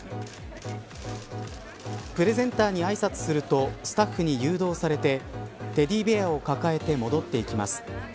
プレゼンターにあいさつするとスタッフに誘導されてテディベアを抱えて戻っていきます。